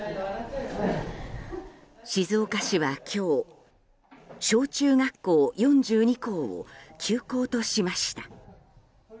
静岡市は今日、小中学校４２校を休校としました。